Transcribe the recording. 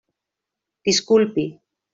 Disculpi.